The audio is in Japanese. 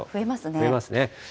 増えますね。